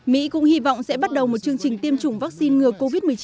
mỹ cũng hy vọng sẽ bắt đầu một chương trình tiêm chủng vaccine ngừa covid một mươi chín